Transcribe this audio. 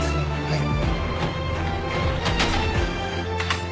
はい。